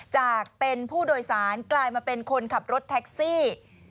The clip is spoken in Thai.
จากเป็นผู้โดยสารกลายมาเป็นคนขับรถแท็กซี่